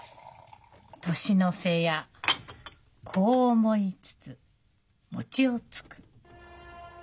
「年の瀬や子を思いつつ餅をつく」。